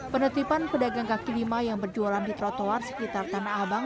penertiban pedagang kaki lima yang berjualan di trotoar sekitar tanah abang